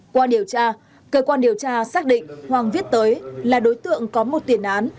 qua điều tra cơ quan điều tra xác định hoàng viết tới là đối tượng có một tiền án